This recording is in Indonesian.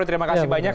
terima kasih banyak